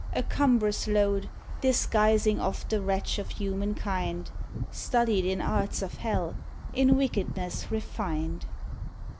— a cumbrous load, Disguising oft the wretch of humankind, Studied in arts of hell, in wickedness refined!